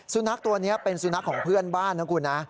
สุนัขตัวนี้เป็นสุนัขของเพื่อนบ้านนะคุณนะ